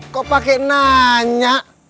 kok pakai nanya